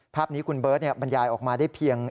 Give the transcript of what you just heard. ภาพนี้คุณเบิร์ตบรรยายออกมาได้เพียง